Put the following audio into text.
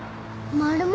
マルモ！